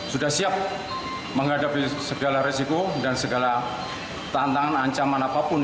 sudah siap menghadapi segala resiko dan segala tantangan ancaman apapun